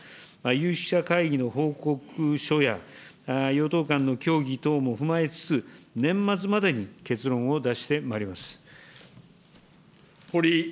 有識者会議の報告書や与党間の協議等も踏まえつつ、年末までに結論を出してまいります。